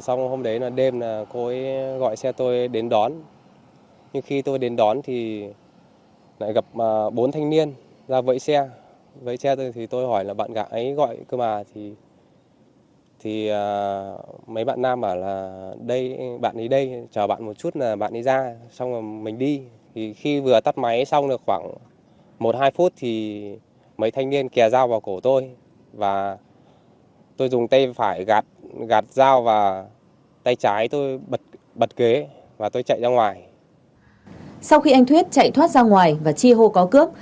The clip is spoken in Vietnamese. sau khi anh thuyết chạy thoát ra ngoài và chi hô có cướp